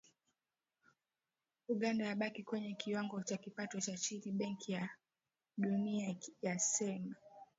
Uganda yabakia kwenye kiwango cha kipato cha chini, Benki ya Dunia yasema